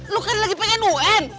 lo kan lagi pengen un